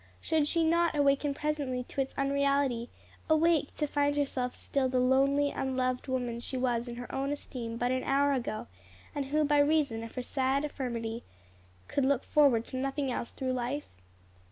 Should she not awake presently to its unreality? awake to find herself still the lonely, unloved woman she was in her own esteem but an hour ago, and who by reason of her sad infirmity could look forward to nothing else through life?